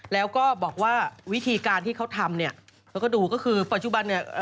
แล้วก็บอกว่าวิธีการที่เขาทำเนี่ยแล้วก็ดูก็คือปัจจุบันเนี่ย